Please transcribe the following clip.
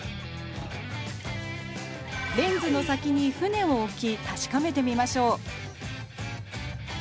レンズの先に船を置き確かめてみましょう。